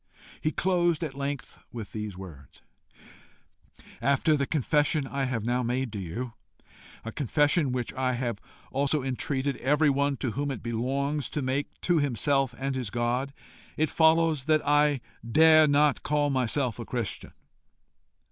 He closed at length with these words: "After the confession I have now made to you, a confession which I have also entreated everyone to whom it belongs to make to himself and his God, it follows that I dare not call myself a Christian.